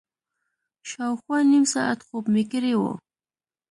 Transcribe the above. شاوخوا نیم ساعت خوب مې کړی و.